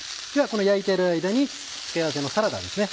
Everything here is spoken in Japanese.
この焼いている間に付け合わせのサラダですね